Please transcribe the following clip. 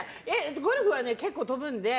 ゴルフはね、結構飛ぶので。